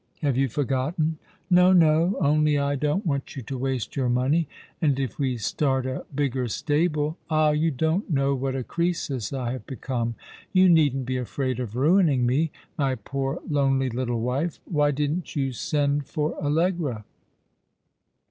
Have you forgotten ?"" No, no ; only I don't want you to waste your money — and, if we start a bigger stable " "Ah, you don't know what a Croesus I have become. You needn't be afraid of niining me. My poor lonely little wife. Why didn't you send for Allegra